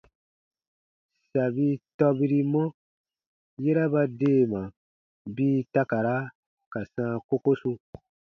Sabi tɔbirimɔ, yera ba deema bii takara ka sãa kokosu.